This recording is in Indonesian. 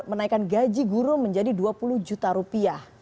menaikkan gaji guru menjadi dua puluh juta rupiah